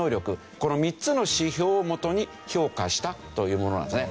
この３つの指標をもとに評価したというものなんですね。